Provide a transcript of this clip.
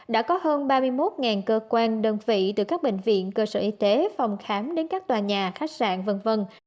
đã có hơn ba mươi một cơ quan đơn vị từ các bệnh viện cơ sở y tế phòng khám đến các tòa nhà khách sạn v v